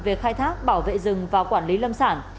về khai thác bảo vệ rừng và quản lý lâm sản